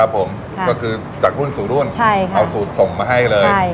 ผมก็คือจากรุ่นสู่รุ่นเอาสูตรส่งมาให้เลย